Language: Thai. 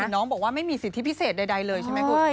แต่น้องบอกว่าไม่มีสิทธิพิเศษใดเลยใช่ไหมคุณ